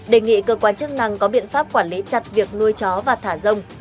đề nghị cơ quan chức năng có biện pháp quản lý chặt việc nuôi chó và thả rông